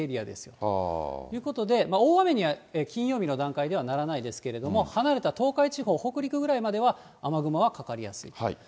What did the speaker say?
ということで、大雨には金曜日の段階ではならないですけれども、離れた東海地方、北陸ぐらいまでは、雨雲はかかりやすいと。